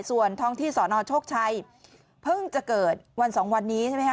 ส่วนท้องที่สนโชคชัยเพิ่งจะเกิดวันสองวันนี้ใช่ไหมคะ